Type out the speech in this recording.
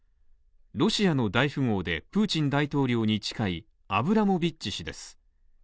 ロシアの大富豪でプーチン大統領に近いアブラモビッチ氏です。